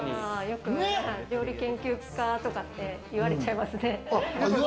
よく料理研究家とかって言われちゃいますね。